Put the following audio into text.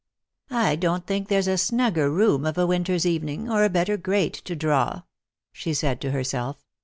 " I don't think there's a snugger room of a winter's evening, or a better grate to draw," she said to herself.